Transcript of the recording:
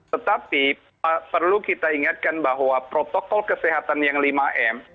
tetapi perlu kita ingatkan bahwa protokol kesehatan yang lima m